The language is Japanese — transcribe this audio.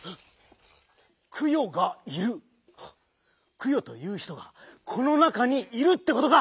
「くよ」という人がこの中にいるってことか！